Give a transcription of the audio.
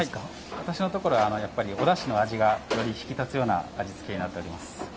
私のところはやっぱりおだしの味がより引き立つような味付けになっております。